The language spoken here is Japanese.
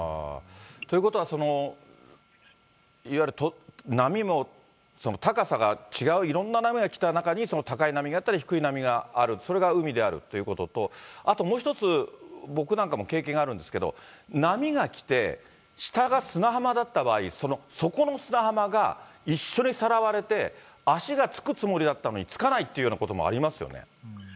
ということは、いわゆる波も、高さが違ういろんな波が来た中に、その高い波があったり、低い波があったり、それが海であるっていうことと、あともう一つ、僕なんかも経験があるんですけど、波が来て、下が砂浜だった場合、底の砂浜が一緒にさらわれて、足がつくつもりだったのに、つかないっていうようなこともありますよね。